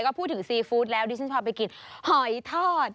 ก็พูดถึงซีฟู้ดแล้วดิฉันพาไปกินหอยทอด